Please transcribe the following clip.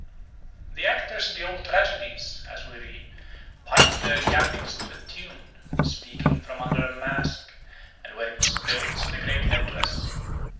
The actors in the old tragedies, as we read, piped their iambics to a tune, speaking from under a mask, and wearing stilts and a great head dress.